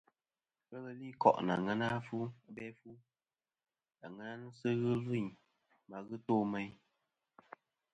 Ghɨ li koʼ nɨ aŋena abe afu, aŋena na sɨ ghɨ lvɨyn ma ghɨ to meyn.